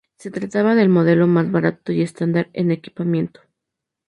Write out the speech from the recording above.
Se trataba del modelo más barato y estándar en equipamiento.